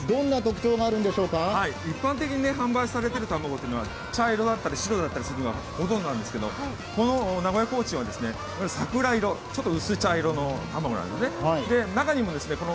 一般的に販売されている卵は茶色だったり白だったりするのがほとんどなんですけど、この名古屋コーチンは桜色、ちょっと薄茶色の卵なんですね。